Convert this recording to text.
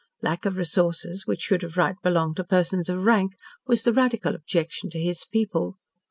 Lack of resources, which should of right belong to persons of rank, was the radical objection to his people.